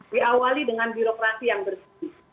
diawali dengan birokrasi yang bersih